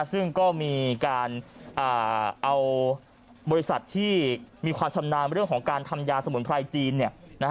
ซึ่งก็มีการเอาบริษัทที่มีความชำนาญเรื่องของการทำยาสมุนไพรจีน